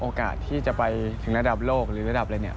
โอกาสที่จะไปถึงระดับโลกหรือระดับอะไรเนี่ย